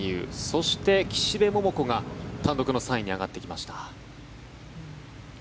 そして、岸部桃子が単独の３位に上がってきました。